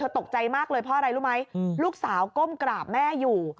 ตกใจมากเลยเพราะอะไรรู้ไหมลูกสาวก้มกราบแม่อยู่